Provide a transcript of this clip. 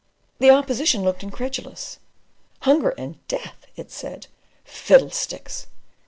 The opposition looked incredulous. "Hunger and death!" it said. "Fiddlesticks!"